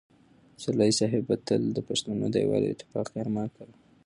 پسرلي صاحب به تل د پښتنو د یووالي او اتفاق ارمان کاوه.